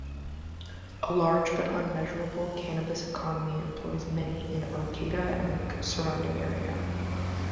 A large but unmeasurable cannabis economy employs many in Arcata and the surrounding area.